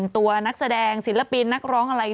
ตัวนักแสดงศิลปินนักร้องอะไร